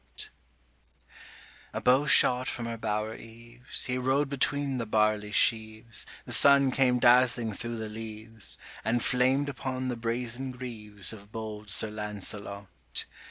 PART IIIA bow shot from her bower eaves, He rode between the barley sheaves, The sun came dazzling thro' the leaves, 75 And flamed upon the brazen greaves Of bold Sir Lancelot.